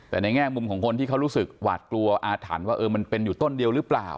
แต่ในแง่มุมของคนที่เขารู้สึกหวาดกลัวอาถรรพ์ว่ามันเป็นอยู่ต้นเดียวหรือเปล่า